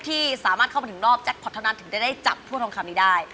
เอาให้ได้เยอะที่สุดเท่าที่ทำได้